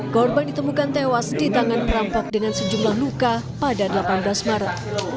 korban ditemukan tewas di tangan perampok dengan sejumlah luka pada delapan belas maret